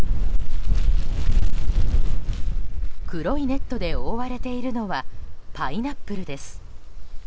黒いネットで覆われているのはパイナップルです。